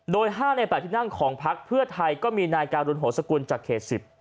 โดย๕ใน๘ที่นั่งของพักเพื่อไทยก็มีนายการุณโหสกุลจากเขต๑๐